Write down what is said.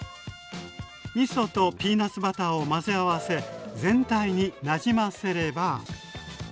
みそとピーナツバターを混ぜ合わせ全体になじませれば。